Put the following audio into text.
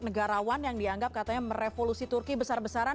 negarawan yang dianggap katanya merevolusi turki besar besaran